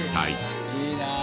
いいなあ